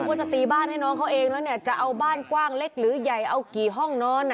ว่าจะตีบ้านให้น้องเขาเองแล้วเนี่ยจะเอาบ้านกว้างเล็กหรือใหญ่เอากี่ห้องนอน